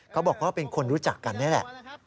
เขาบอกว่าเป็นคนรู้จักกันนี่แหละ